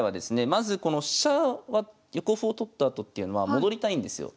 まずこの飛車は横歩を取ったあとっていうのは戻りたいんですよ。